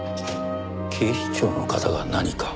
警視庁の方が何か？